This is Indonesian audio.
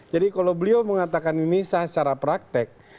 jadi kalau beliau mengatakan ini sah secara praktek